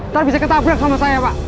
ntar bisa ketabrak sama saya pak